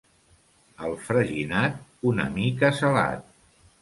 El freginat, una mica salat.